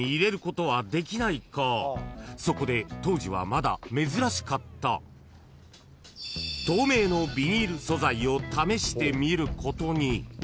［そこで当時はまだ珍しかった透明のビニール素材を試してみることに］